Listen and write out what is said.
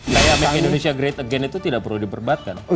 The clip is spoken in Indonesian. raya make indonesia great again itu tidak perlu diperbatkan